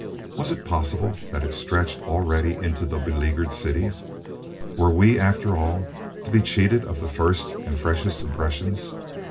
Was it possible that it stretched already into the beleaguered city? Were we, after all, to be cheated of the first and freshest impressions?